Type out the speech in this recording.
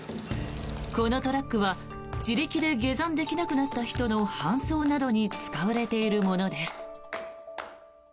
このトラックは自力で下山できなくなった人の搬送などに使われているものです。